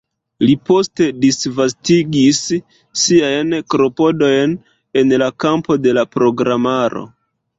Li poste disvastigis siajn klopodojn en la kampo de la programaro.